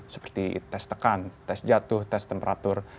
seperti tes tekan tes jatuh tes temperatur